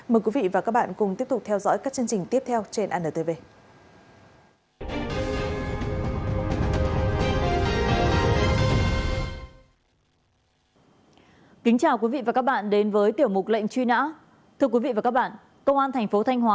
mời quý vị và các bạn cùng tiếp tục theo dõi các chương trình tiếp theo trên antv